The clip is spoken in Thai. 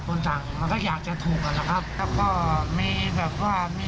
ตอนนั้นเราดื่มมาจากหน้างานครับ